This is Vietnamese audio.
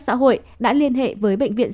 xã hội đã liên hệ với bệnh viện